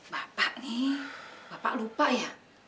bapak nih bapak lupa ya